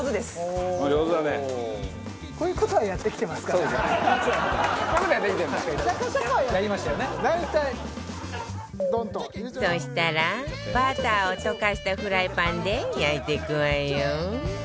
そしたらバターを溶かしたフライパンで焼いていくわよ